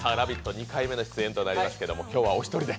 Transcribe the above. ２回目の出演となりますけど、今日はお一人で？